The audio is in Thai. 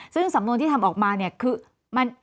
ซึ่งสำนวนที่ทำออกมาเนี่ยคือ